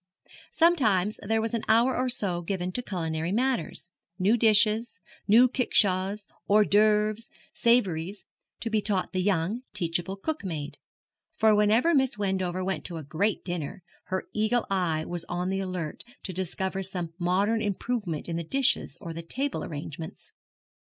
Sometimes there was an hour or so given to culinary matters new dishes, new kickshaws, hors d'oeuvres, savouries to be taught the young, teachable cook maid; for whenever Miss Wendover went to a great dinner, her eagle eye was on the alert to discover some modern improvement in the dishes or the table arrangements.